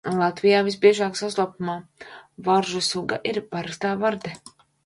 Latvijā visbiežāk sastopamā varžu suga ir parastā varde.